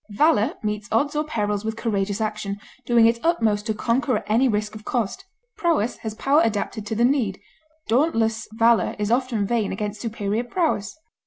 Valor meets odds or perils with courageous action, doing its utmost to conquer at any risk or cost; prowess has power adapted to the need; dauntless valor is often vain against superior prowess.